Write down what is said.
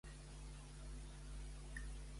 Què diuen altres versions sobre Pelasg?